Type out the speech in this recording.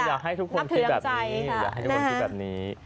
อยากให้ทุกคนคิดแบบนี้อยากให้ทุกคนคิดแบบนี้